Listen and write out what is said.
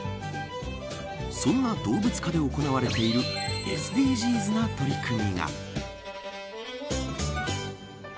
そんな動物科で行われているＳＤＧｓな取り組みが。